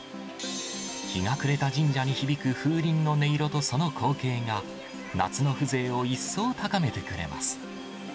日が暮れた神社に響く風鈴の音色とその光景が、夏の風情を一層高めてくれます。